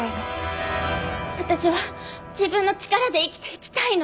私は自分の力で生きていきたいの！